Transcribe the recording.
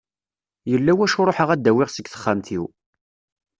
Yella wacu ruḥeɣ ad d-awiɣ seg texxamt-iw.